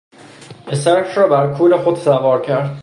پسرش را بر کول خود سوار کرد.